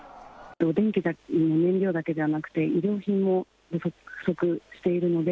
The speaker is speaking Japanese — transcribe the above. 電気や燃料だけではなくて、衣料品も不足しているので。